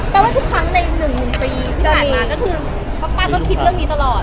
ว่าทุกครั้งในหนึ่งปีที่ผ่านมาก็คือเพราะป้าก็คิดเรื่องนี้ตลอด